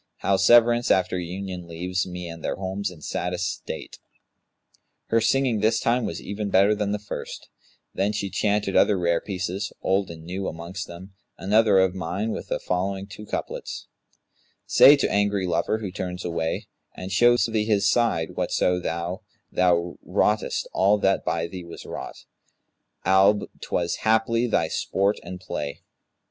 How severance after union leaves * Me and their homes in saddest state!' Her singing this time was even better than the first; then she chanted other rare pieces, old and new, and amongst them, another of mine with the following two couplets, 'Say to angry lover who turns away, * And shows thee his side whatso thou 'Thou wroughtest all that by thee was wrought, * Albe 'twas haply thy sport and play.'